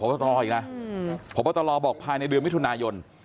ผมก็ต้องรออีกนะผมก็ต้องรอบอกภายในเดือนมิถุนายน